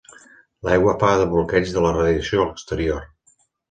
L'aigua fa de bloqueig de la radiació a l'exterior.